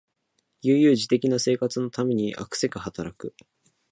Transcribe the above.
悠々自適の生活のためにあくせく働く